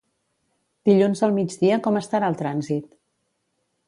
Dilluns al migdia com estarà el trànsit?